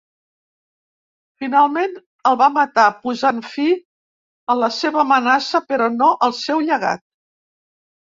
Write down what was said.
Finalment el va matar posant fi a la seva amenaça, però no al seu llegat.